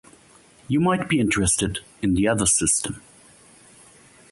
You might be interested in the other system